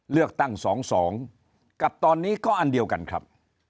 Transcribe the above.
เลือกตั้ง๒๒กับตอนนี้ก็อันเดียวกันครับ